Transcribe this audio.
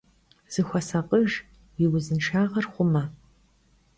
Zıxuesakhıjj, vui vuzınşşağer xhume!